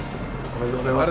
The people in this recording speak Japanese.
おめでとうございます。